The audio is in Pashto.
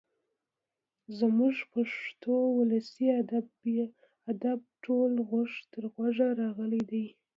زموږ پښتو ولسي ادب ټول غوږ تر غوږه راغلی دی.